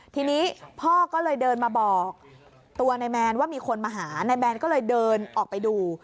ทีนี้พ่อก็เลยเดินมาบอกตัวนายแมนว่ามีคนมาหานายแมนก็เลยเดินออกไปดู